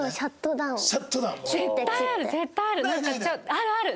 あるある！